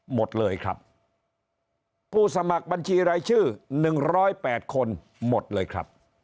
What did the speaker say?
หมดเลยครับผู้สมัครบัญชีรายชื่อ๑๐๘คนหมดเลยครับ